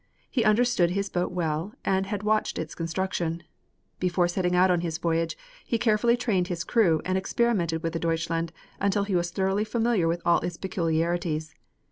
He understood his boat well and had watched its construction. Before setting out on his voyage he carefully trained his crew, and experimented with the Deutschland until he was thoroughly familiar with all its peculiarities.